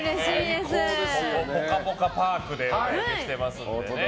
ぽかぽかパークでお届けしてますのでね。